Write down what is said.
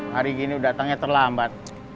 hari gini datangnya terlambat